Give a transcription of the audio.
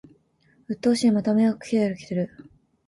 うっとうしい、また迷惑メール来てる